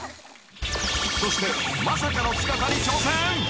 ［そしてまさかの姿に挑戦］